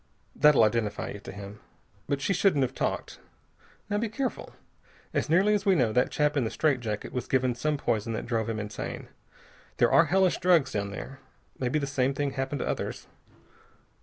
That'll identify you to him. But she shouldn't have talked. Now, be careful. As nearly as we know, that chap in the straight jacket was given some poison that drove him insane. There are hellish drugs down there. Maybe the same thing happened to others.